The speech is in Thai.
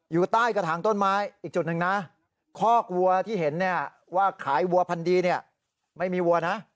อยู่ใต้กระถางต้นไม้อีกจุดหนึ่งนะคอกวัวที่เห็นเนี่ยว่าขายวัวพันดีเนี่ยไม่มีวัวนะ